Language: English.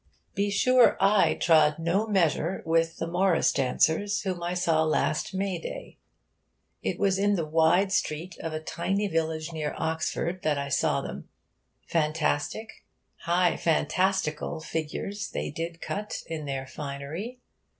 Be sure I trod no measure with the Morris dancers whom I saw last May day. It was in the wide street of a tiny village near Oxford that I saw them. Fantastic high fantastical figures they did cut in their finery.